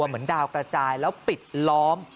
เหมือนดาวกระจายแล้วปิดล้อม